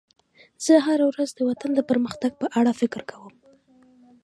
زه هره ورځ د وطن د پرمختګ په اړه فکر کوم.